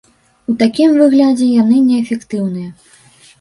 У такім выглядзе яны неэфектыўныя.